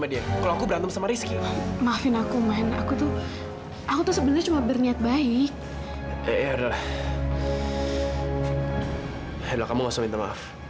yaudah kamu langsung minta maaf